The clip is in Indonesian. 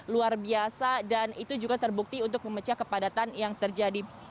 luar biasa dan itu juga terbukti untuk memecah kepadatan yang terjadi